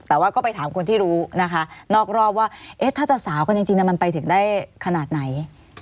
แต่ว่าก็ไปถามคนที่รู้นะคะนอกรอบว่าถ้าจะสาวกันจริงมันไปถึงได้ขนาดไหน